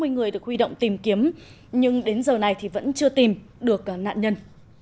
sáu mươi người được huy động tìm kiếm nhưng đến giờ này vẫn chưa tìm được nạn nhân